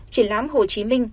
triển lãm hồ chí minh